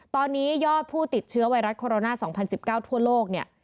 ตอนนี้ยอดผู้ติดเชื้อไวรัสโคโรนา๒๐๑๙ทั่วโลกเนี่ย